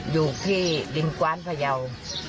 อยู่ที่ดินกว้านพยาว